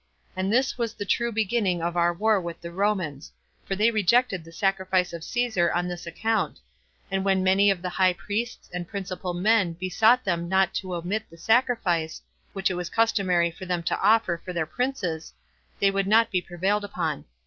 And this was the true beginning of our war with the Romans; for they rejected the sacrifice of Caesar on this account; and when many of the high priests and principal men besought them not to omit the sacrifice, which it was customary for them to offer for their princes, they would not be prevailed upon.